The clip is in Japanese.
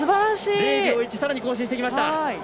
０秒１さらに更新しました。